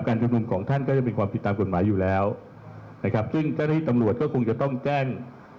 ชุมนุมของท่านก็จะเป็นความผิดตามกฎหมายอยู่แล้วนะครับซึ่งเจ้าหน้าที่ตำรวจก็คงจะต้องแจ้ง